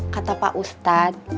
kata pak ustadz